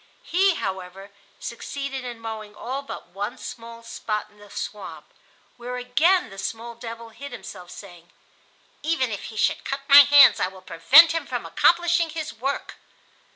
He, however, succeeded in mowing all but one small spot in the swamp, where again the small devil hid himself, saying: "Even if he should cut my hands I will prevent him from accomplishing his work."